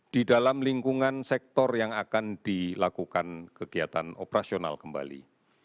di dalam lingkungan sektor yang akan dilakukan kegiatan operasional kembali